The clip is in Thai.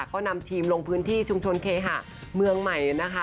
ก็นำทีมลงพื้นที่ชุมชนเคหะเมืองใหม่นะคะ